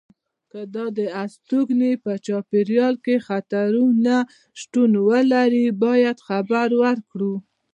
که د استوګنې په چاپېریال کې خطرونه شتون ولري باید خبر ورکړي.